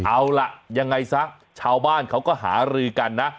เอาล่ะยังไงซะชาวบ้านเขาก็หารือกันนะ